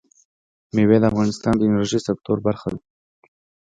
مېوې د افغانستان د انرژۍ سکتور برخه ده.